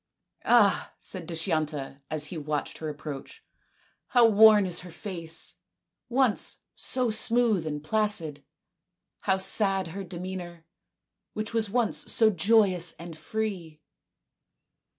"Ah," said Dushyanta, as he watched her approach. " How worn is her face, once so smooth and placid ! How sad her demeanour, which was once so joyous and so free